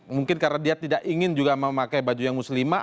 mungkin karena dia tidak ingin juga memakai baju yang muslimah